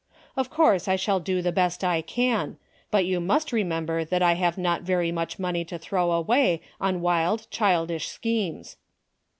Of course I shall do the best I can, but you must remember that I have not very much money to throw away on wild childish schemes."